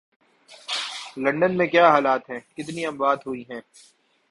London میں کیا حالات ہیں، کتنی اموات ہوئی ہیں